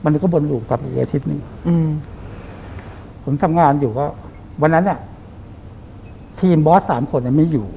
ตลอดอีกอาทิตย์นึงอืมผมทำงานอยู่ว่าวันนั้นทีมบอสสามคนน่ะไม่อยู่